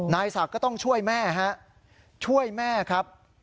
นายศักดิ์ก็ต้องช่วยแม่ฮะช่วยแม่ครับ